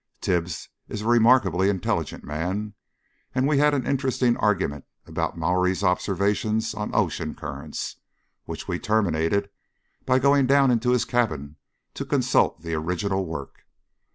Tibbs is a remarkably intelligent man, and we had an interesting argument about Maury's observations on ocean currents, which we terminated by going down into his cabin to consult the original work.